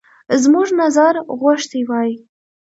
زموږ نظر غوښتی وای.